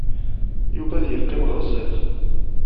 Yuba ad yeqqim ɣer sdat.